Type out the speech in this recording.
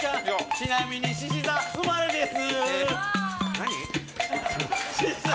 ちなみにしし座生まれです。